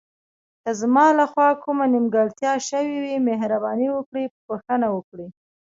که زما له خوا کومه نیمګړتیا شوې وي، مهرباني وکړئ بښنه وکړئ.